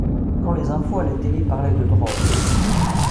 quand les infos à la télé parlaient de drogue.